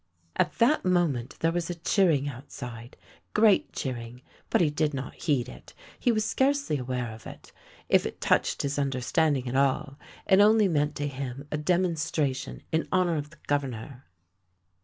At that moment there was a cheering outside — great cheering — but he did not heed it, he was scarcely aware of it. If it touched his understanding at all, it only meant to him a demonstration in honour of the Governor.